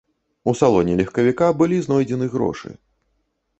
У салоне легкавіка былі знойдзены грошы.